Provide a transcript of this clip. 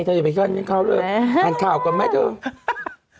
เจ้าอย่าไปการเนี้ยเล่นข้อเลิก